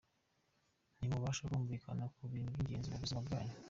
Ntimubasha kumvikana ku bintu by’ingenzi mu buzima bwanyu.